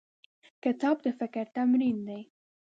کتاب د فکر تمرین دی.